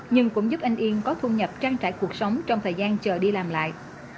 nhưng cũng giúp anh yên có thu nhập trang trải cuộc sống trong thời gian chờ đi làm lại